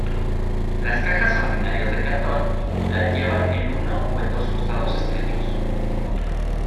Las cajas ordinarias de cartón la llevan en uno o en dos costados estrechos.